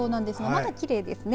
まだきれいですね。